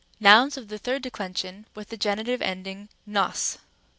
Nouns of the third declension with the genitive ending 0s.